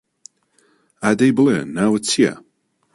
ئادەی بڵێ ناوت چییە؟